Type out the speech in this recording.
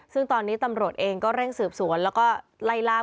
ซึ่งตอนนี้ตำรวจเองก็เร่งสืบสวนแล้วก็ไล่ล่า